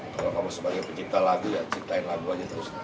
kalau kamu sebagai pencipta lagu ya ciptain lagu aja terus